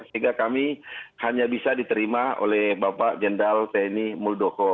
sehingga kami hanya bisa diterima oleh bapak jenderal tni muldoko